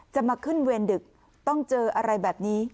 มาขึ้นเวรดึกต้องเจออะไรแบบนี้